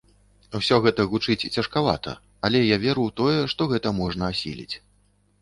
Усё гэта гучыць цяжкавата, але я веру ў тое, што гэта можна асіліць.